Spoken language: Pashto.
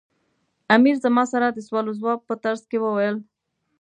امیر زما سره د سوال و ځواب په ترڅ کې وویل.